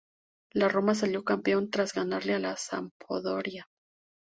La Roma salió campeón tras ganarle a la Sampdoria.